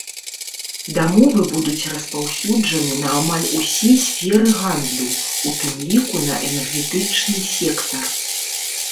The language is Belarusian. Дамовы будуць распаўсюджаны на амаль усе сферы гандлю, у тым ліку на энергетычны сектар.